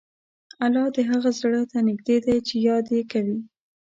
الله د هغه زړه ته نږدې دی چې یاد یې کوي.